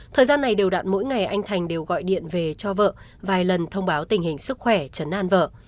thời gian này đều đạn mỗi ngày anh thành đều gọi điện về cho vợ vài lần thông báo tình hình sức khỏe chấn an vợ